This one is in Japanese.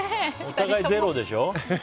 お互いゼロでしょ。